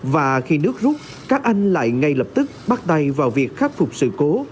và khi nước rút các anh lại ngay lập tức bắt tay vào việc khắc phục sự cố